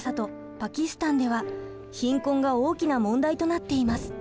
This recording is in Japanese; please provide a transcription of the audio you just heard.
パキスタンでは貧困が大きな問題となっています。